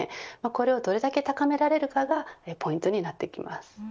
これをどれだけ高められるかがポイントになってきます。